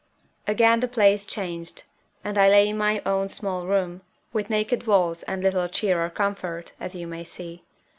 Again the place changed, and I lay in my own small room, with naked walls and little cheer or comfort, as you may see.